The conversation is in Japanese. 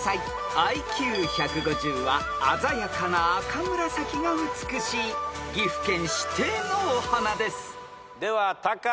［ＩＱ１５０は鮮やかな赤紫が美しい岐阜県指定のお花です］ではタカ。